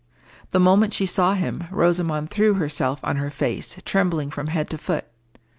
The moment she saw him, Rosamond threw herself on her face, trembling from head to foot.